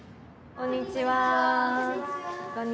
こんにちは。